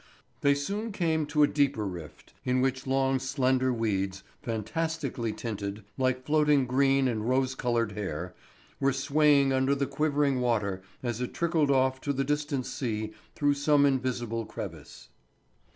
They soon came to a deeper rift, in which long slender weeds, fantastically tinted, like floating green and rose coloured hair, were swaying under the quivering water as it trickled off to the distant sea through some invisible crevice.